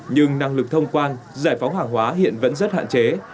nhưng năng lực thông quan giải phóng hàng hóa hiện vẫn rất hạn chế